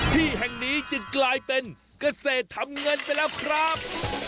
ที่แห่งนี้จึงกลายเป็นเกษตรทำเงินไปแล้วครับ